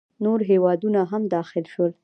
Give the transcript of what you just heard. نور هیوادونه هم داخل شول.